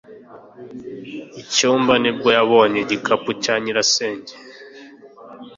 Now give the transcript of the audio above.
icyumba. nibwo yabonye igikapu cya nyirasenge